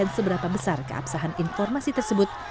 terbesar keabsahan informasi tersebut